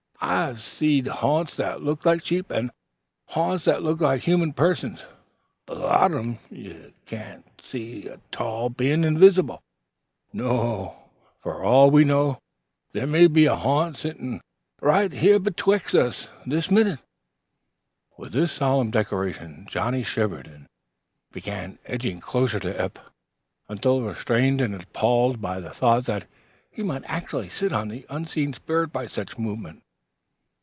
I have seed ha'nts that looked like sheep, an' ha'nts that looked like human persons; but lots of 'em ye cain't see a tall, bein' invisible, as the sayin' is. Now, fer all we know, they may be a ha'nt settin' right here betwixt us, this minute!" With this solemn declaration Johnnie shivered and began edging closer to Eph, until restrained and appalled by the thought that he might actually sit on the unseen spirit by such movement.